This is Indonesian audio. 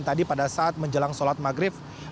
tadi pada saat menjelang sholat maghrib